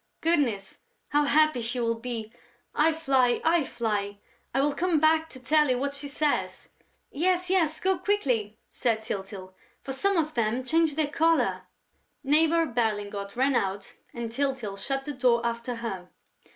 Goodness, how happy she will be!... I fly, I fly!... I will come back to tell you what she says...." "Yes, yes, go quickly," said Tyltyl, "for some of them change their color!" Neighbour Berlingot ran out and Tyltyl shut the door after her.